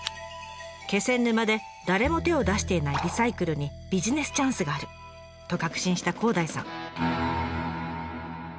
気仙沼で誰も手を出していないリサイクルにビジネスチャンスがある！と確信した広大さん。